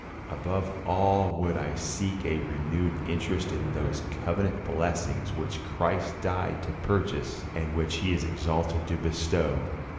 Above all would I seek a renewed interest in those covenant blessings which Christ died to purchase and which He is exalted to bestow.